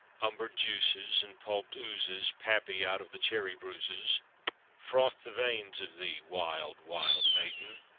Umbered juices, And pulpèd oozes Pappy out of the cherry bruises Froth the veins of thee, wild, wild maiden!